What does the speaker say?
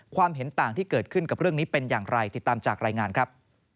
เห็นต่างที่เกิดขึ้นกับเรื่องนี้เป็นอย่างไรติดตามจากรายงานครับ